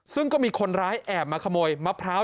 ซึ่งก็มีคนร้ายแอบมาขโมยมะพร้าว